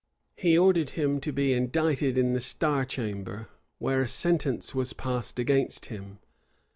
He ordered him to be indicted in the star chamber, where a sentence was passed against him.